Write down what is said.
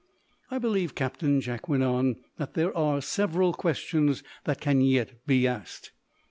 "I believe, Captain," Jack went on, "that there are several questions that can yet be asked."